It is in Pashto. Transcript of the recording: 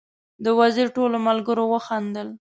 د وزیر ټولو ملګرو وخندل.